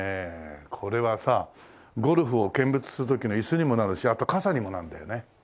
これはさゴルフを見物する時の椅子にもなるしあと傘にもなるんだよね。